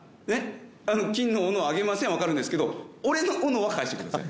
金の斧はあげません」はわかるんですけど俺の斧は返してください。